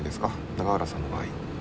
永浦さんの場合。